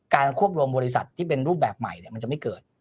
ควบรวมบริษัทที่เป็นรูปแบบใหม่มันจะไม่เกิด